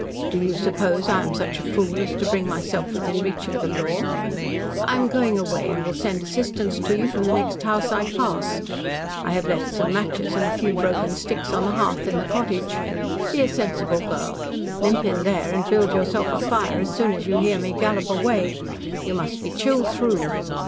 Do you suppose I am such a fool as to bring myself within reach of the law? I am going away and will send assistance to you from the next house I pass. I have left some matches and a few broken sticks on the hearth in the cottage. Be a sensible girl. Limp in there and build yourself a fire as soon as you hear me gallop away. You must be chilled through.